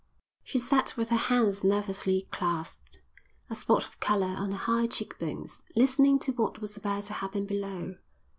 She sat with her hands nervously clasped, a spot of colour on her high cheek bones, listening to what was about to happen below.